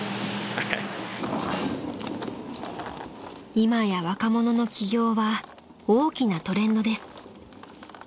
［今や若者の起業は大きなトレンドです］